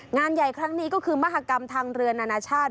งานใหญ่ครั้งนี้ก็คือมหากรรมทางเรือนานาชาติ